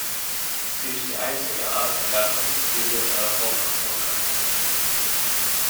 Sie ist die einzige Art der Gattung, die in Mitteleuropa vorkommt.